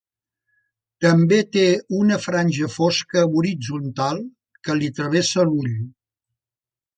També té una franja fosca horitzontal que li travessa l'ull.